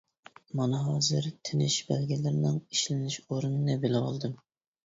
مانا ھازىر تىنىش بەلگىلەرنىڭ ئىشلىنىش ئورنىنى بىلىۋالدىم.